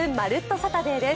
サタデー」です。